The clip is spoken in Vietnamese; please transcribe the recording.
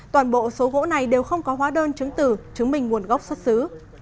toàn bộ số gỗ này đều không có hóa đơn chứng tử chứng minh nguồn gốc xuất xứ